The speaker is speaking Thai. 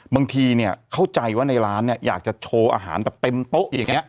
บางทีเข้าใจว่าในร้านอยากจะโชว์อาหารแต่เต็มโต๊ะอย่างนี้